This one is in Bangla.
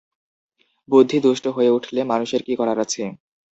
বুদ্ধি দুষ্ট হয়ে উঠলে মানুষের কী করার আছে?